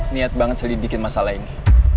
niat banget selidikin masalah ini